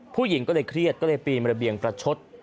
ผู้หญิงก็เลยเครียดก็เลยปีนระเบียงประชด